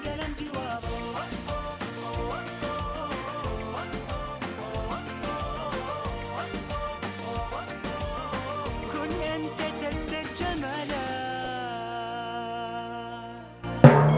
enggak lho ustazah